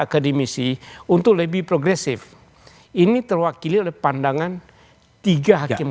akademisi untuk lebih progresif ini terwakili oleh pandangan tiga hakim